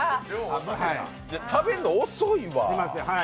食べるの遅いわ。